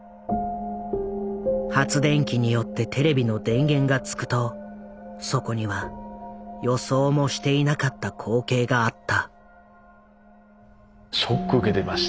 発電機によってテレビの電源がつくとそこには予想もしていなかった光景があった。